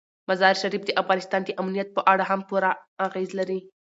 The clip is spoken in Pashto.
مزارشریف د افغانستان د امنیت په اړه هم پوره اغېز لري.